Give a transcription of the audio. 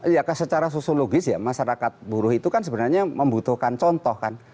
ya secara sosiologis ya masyarakat buruh itu kan sebenarnya membutuhkan contoh kan